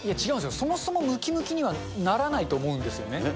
違うんですよ、そもそもむきむきにはならないと思うんですよね。